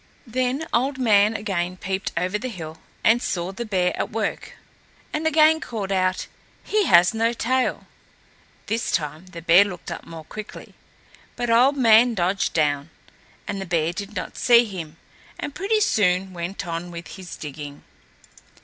Then Old Man again peeped over the hill and saw the bear at work, and again called out, "He has no tail." This time the bear looked up more quickly, but Old Man dodged down, and the bear did not see him, and pretty soon went on with his digging.